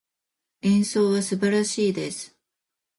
演奏は素晴らしいです。